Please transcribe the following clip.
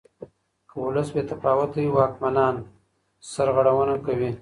که ولس بې تفاوته وي واکمنان سرغړونه کوي.